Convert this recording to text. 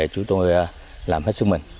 chúng tôi làm hết sức mình